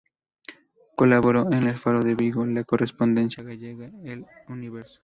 Colaboró en el "Faro de Vigo", "La Correspondencia Gallega" y El "Universo.